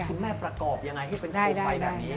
ว่าคุณแม่ประกอบอย่างไรให้เป็นโครงไพรแบบนี้